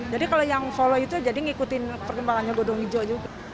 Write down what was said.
jadi kalau yang follow itu jadi ngikutin perkembangannya gunung hijau juga